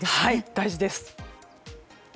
大事です。